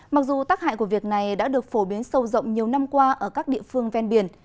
mặc dù tác hại của việc này đã được phổ biến sâu rộng nhiều năm qua ở các địa phương ven biển